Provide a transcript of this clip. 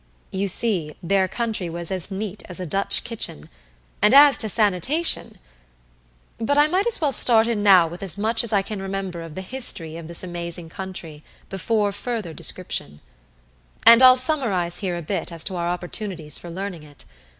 You see, their country was as neat as a Dutch kitchen, and as to sanitation but I might as well start in now with as much as I can remember of the history of this amazing country before further description. And I'll summarize here a bit as to our opportunities for learning it.